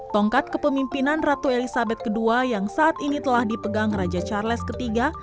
tongkat kepemimpinan ratu elizabeth ii yang saat ini telah dipegang raja charles iii